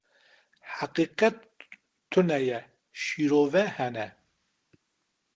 Heqîqet tune ye, şîrove hene.